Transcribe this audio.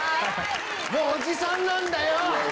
もうおじさんなんだよ！